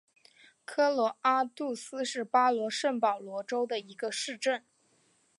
科罗阿杜斯是巴西圣保罗州的一个市镇。